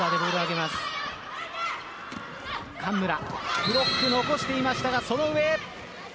ブロック、残していましたがその上。